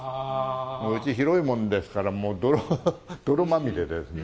もう、うち、広いもんですから、もう泥まみれですね。